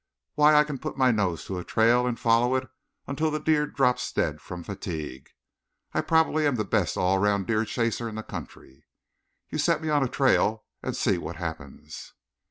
"Why, I can put my nose to a trail and follow it until the deer drops dead from fatigue. I probably am the best all around deer chaser in the country. You set me on a trail and see what happens."